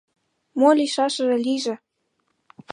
Мо лийшаш — лийже!